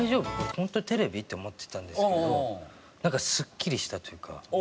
ホントにテレビ？って思ってたんですけどなんかスッキリしたというか。